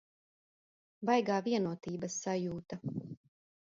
Baigā vienotības sajūta.